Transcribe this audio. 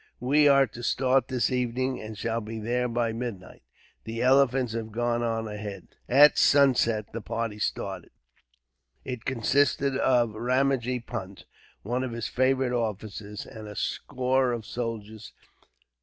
"We are to start this evening, and shall be there by midnight. The elephants have gone on ahead." At sunset the party started. It consisted of Ramajee Punt, one of his favourite officers, and a score of soldiers.